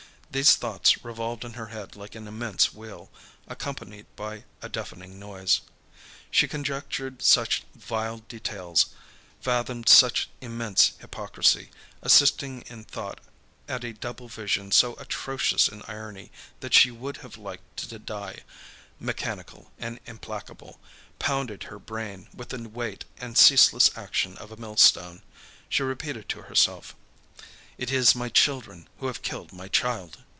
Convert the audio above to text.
These thoughts revolved in her head like an immense wheel, accompanied by a deafening noise. She conjectured such vile details, fathomed such immense hypocrisy, assisting in thought at a double vision so atrocious in irony, that she would have liked to die, mechanical and implacable, pounded her brain with the weight and ceaseless action of a millstone. She repeated to herself: "It is my children who have killed my child."